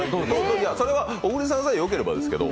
それは小栗さんさえよければですけど。